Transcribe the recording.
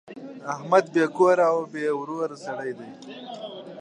احمد بې کوره او بې اوره سړی دی.